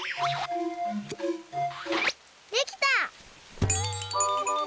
できた！